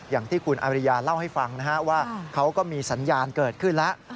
อย่างที่คุณอริยาเล่าให้ฟังนะฮะว่าเขาก็มีสัญญาณเกิดขึ้นแล้ว